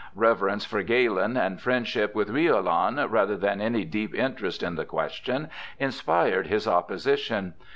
Reverence for Galen and friendship with Riolan, rather than any deep interest in the question, inspired his opposition.